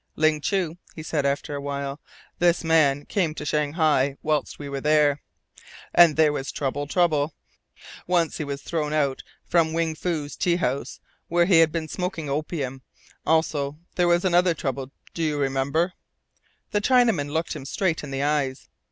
"Ling Chu," he said after awhile, "this man came to Shanghai whilst we were there, and there was trouble trouble. Once he was thrown out from Wing Fu's tea house, where he had been smoking opium. Also there was another trouble do you remember?" The Chinaman looked him straight in the eyes.